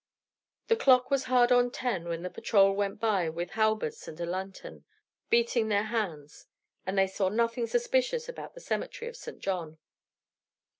The clock was hard on ten when the patrol went by with halberds and a lantern, beating their hands; and they saw nothing suspicious about the cemetery of St. John.